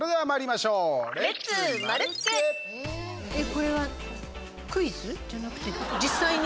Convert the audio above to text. これはクイズ？じゃなくて実際に？